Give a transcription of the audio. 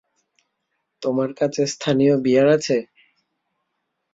তোমার কাছে স্থানীয় বিয়ার আছে?